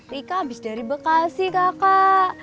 nika habis dari bekasi kakak